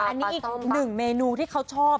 อันนี้อีกหนึ่งเมนูที่เขาชอบ